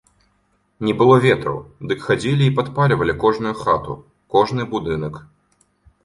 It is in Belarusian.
Не было ветру, дык хадзілі і падпальвалі кожную хату, кожны будынак.